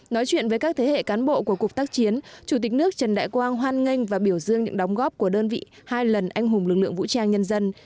nói chuyện với các thế hệ cán bộ của cục tác chiến chủ tịch nước trần đại quang hoan nghênh và biểu dương những đóng góp của đơn vị hai lần anh hùng lực lượng vũ trang nhân dân